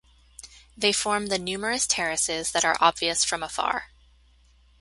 They form the numerous terraces that are obvious from afar.